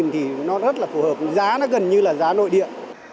năm trăm linh năm trăm năm mươi thì nó rất là phù hợp giá nó gần như là giá nội địa